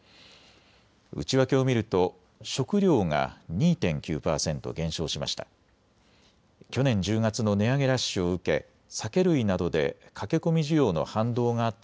内訳を見ると食料が２．９％減少しました。